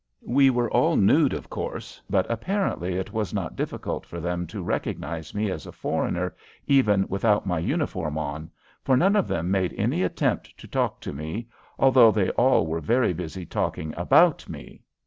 We were all nude, of course, but apparently it was not difficult for them to recognize me as a foreigner even without my uniform on, for none of them made any attempt to talk to me, although they all were very busy talking about me.